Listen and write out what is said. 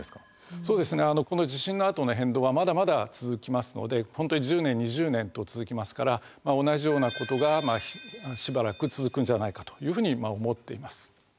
そうですねこの地震のあとの変動はまだまだ続きますので本当に１０年２０年と続きますから同じようなことがしばらく続くんじゃないかというふうに思っています。